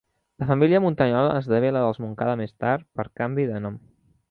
La família Muntanyola esdevé la dels Montcada més tard, per canvi de nom.